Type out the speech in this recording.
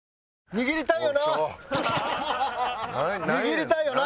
握りたいよな？